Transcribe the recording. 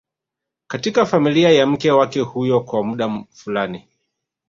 katika familia ya mke wake huyo kwa muda fulani